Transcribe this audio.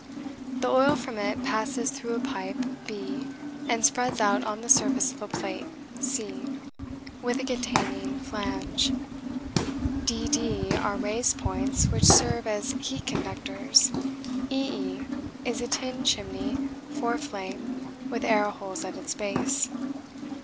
The oil from it passes through a pipe, B, and spreads out on the surface of a plate, C, with a containing flange; d d are raised points which serve as heat conductors; e e is a tin chimney for flame with air holes at its base.